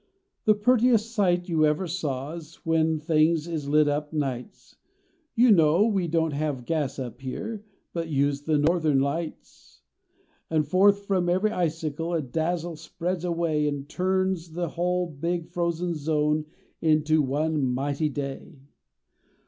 The purtiest sight you ever sa\v, S when things is lit up nights You know we don t have gas up here, But use the Northern Lights. An forth from every icicle A dazzle spreads away That turns the hull big frozen zone Into one mighty day.